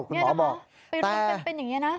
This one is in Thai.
คุณหมอบอกแต่เป็นอย่างนี้นะ